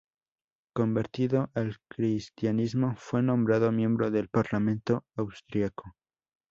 Convertido al cristianismo, fue nombrado miembro del parlamento austriaco.